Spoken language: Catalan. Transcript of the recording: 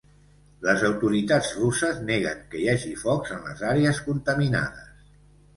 Les autoritats russes neguen que hi hagi focs en les àrees contaminades.